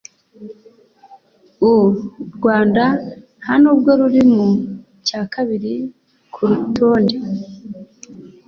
u Rwanda nta nubwo ruri mu cya kabiri ku rutonde